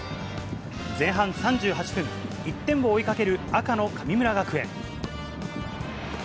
前半３８分、１点を追いかける赤の神村学園。